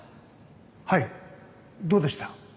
はいどうでした？